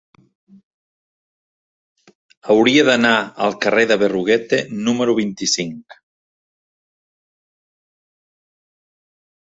Hauria d'anar al carrer de Berruguete número vint-i-cinc.